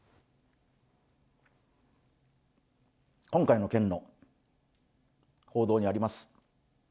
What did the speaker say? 今回の件の報道にあります